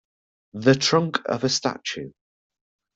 The trunk of a statue.